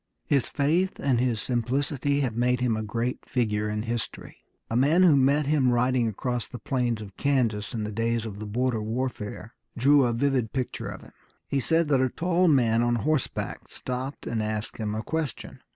His faith and his simplicity have made him a great figure in history. A man who met him riding across the plains of Kansas in the days of the border warfare drew a vivid picture of him. He said that a tall man on horseback stopped and asked him a question.